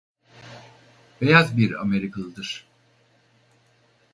Beyaz bir Amerikalıdır.